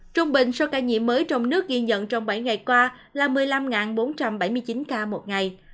trung bình số ca nhiễm mới trong nước ghi nhận trong bảy ngày qua là một mươi năm bốn trăm bảy mươi chín ca một ngày